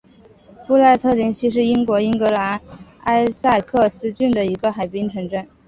布赖特灵西是英国英格兰埃塞克斯郡的一个海滨城镇。